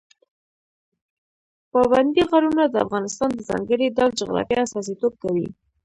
پابندی غرونه د افغانستان د ځانګړي ډول جغرافیه استازیتوب کوي.